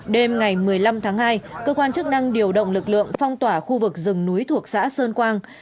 đêm ngày một mươi năm tháng hai cơ quan chức năng điều động lực lượng phong tỏa khu vực rừng núi thuộc xã sơn quang